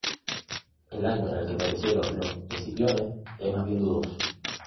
El año en el que perecieron los Escipiones es más bien dudoso.